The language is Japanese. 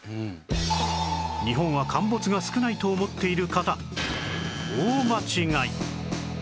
日本は陥没が少ないと思っている方大間違い